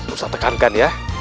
ustadz tekankan ya